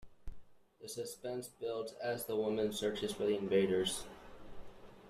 The suspense builds as the woman searches for the invaders.